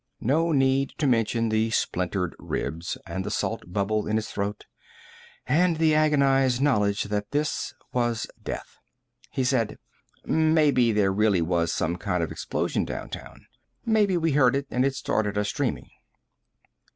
No need to mention the splintered ribs, and the salt bubble in his throat, and the agonized knowledge that this was death. He said, "Maybe there really was some kind of explosion downtown. Maybe we heard it and it started us dreaming."